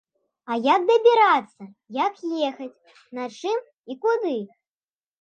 А як дабірацца, як ехаць, на чым і куды?